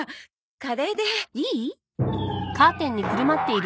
カレーでいい？